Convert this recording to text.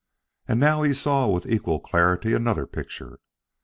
And now he saw with equal clarity another picture.